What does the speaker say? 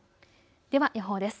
では予報です。